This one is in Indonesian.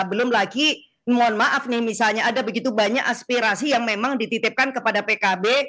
belum lagi mohon maaf nih misalnya ada begitu banyak aspirasi yang memang dititipkan kepada pkb